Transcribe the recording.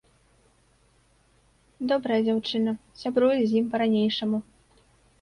Добрая дзяўчына, сябруе з ім па-ранейшаму.